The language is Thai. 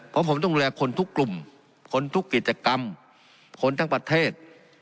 เพราะผมต้องดูแลคนทุกกลุ่มคนทุกกิจกรรมคนทั้งประเทศ